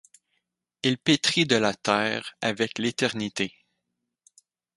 Il pétrit de la terre avec l’éternité !